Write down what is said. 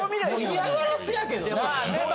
嫌がらせやけどな。